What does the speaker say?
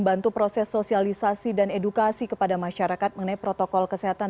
bantu proses sosialisasi dan edukasi kepada masyarakat mengenai protokol kesehatan